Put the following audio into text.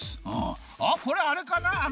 あっこれあれかな？